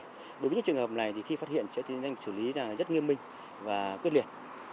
đối với những trường hợp này thì khi phát hiện sẽ xử lý rất nghiêm minh và quyết liệt